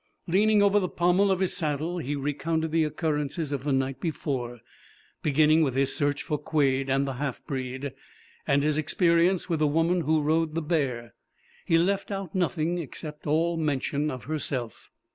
Leaning over the pommel of his saddle he recounted the occurrences of the night before, beginning with his search for Quade and the half breed, and his experience with the woman who rode the bear. He left out nothing except all mention of herself.